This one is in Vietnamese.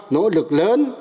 nỗ lực lớn